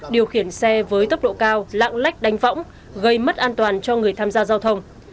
điều khiển xe với tốc độ cao lạng lách đánh võng gây mất an toàn cho người tham gia giao thông